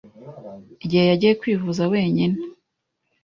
igihe yagiye kwivuza wenyine,